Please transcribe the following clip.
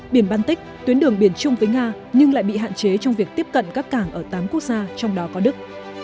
biển baltic tuyến đường biển chung với nga nhưng lại bị hạn chế trong việc tiếp cận các cảng ở tám quốc gia trong đó có đức